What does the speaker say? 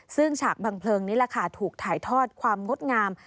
ซึ่งฉากบังเพลิงนี้แหละค่ะถูกถ่ายทอดความงดงาม